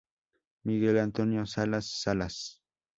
Miguel Antonio Salas Salas.